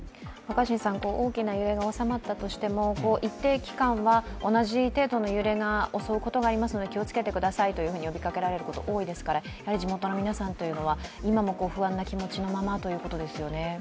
大きな揺れが収まったとしても、一定期間は同じ程度の揺れが襲うことがありますので気をつけてくださいと呼びかけられていますから、地元の皆さんというのは今も不安な気持ちのままということですよね？